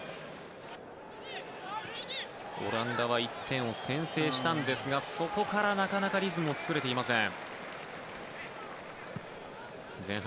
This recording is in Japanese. オランダは１点を先制したんですがそこから、なかなかリズムを作れていません。